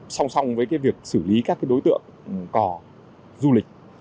song song với việc xử lý các đối tượng cò du lịch